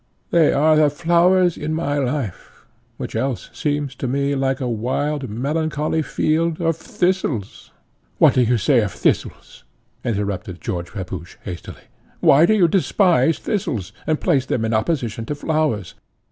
They are the flowers in my life, which else seems to me like a wild melancholy field of thistles." "What do you say of thistles?" interrupted George Pepusch hastily; "why do you despise thistles, and place them in opposition to flowers?